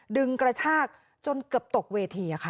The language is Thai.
กระชากจนเกือบตกเวทีค่ะ